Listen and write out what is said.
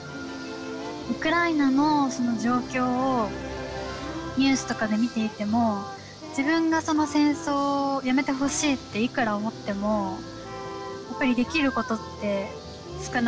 ウクライナの状況をニュースとかで見ていても自分がその戦争をやめてほしいっていくら思ってもやっぱりできることって少なくて。